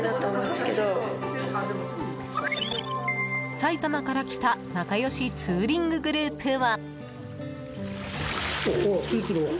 埼玉から来た仲良しツーリンググループは。